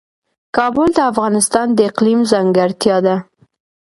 کابل د افغانستان د اقلیم ځانګړتیا ده.